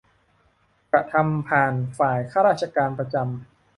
กระทำผ่านฝ่ายข้าราชการประจำ